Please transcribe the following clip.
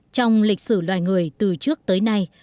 trong lịch sử loài người từ trước tới nay